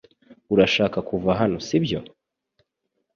Urashaka kuva hano, sibyo?